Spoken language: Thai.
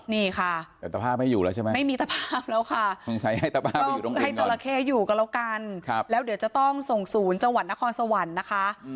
นี่ค่ะไม่มีตระพาปแล้วค่ะให้จราเข้อยู่ก็แล้วกันแล้วเดี๋ยวจะต้องส่งศูนย์จวันนครสวรรค์นะคะ